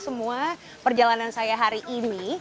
semua perjalanan saya hari ini